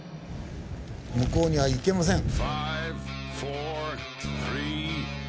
向こうには行けません。